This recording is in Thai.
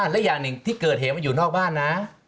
และอย่างหนึ่งที่เกิดเหตุมันอยู่นอกบ้านนะ